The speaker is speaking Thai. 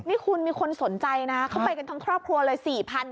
นี่คุณมีคนสนใจนะเขาไปกันทั้งครอบครัวเลย